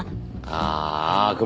ああ。